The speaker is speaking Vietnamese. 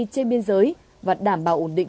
trên biên giới và đảm bảo ổn định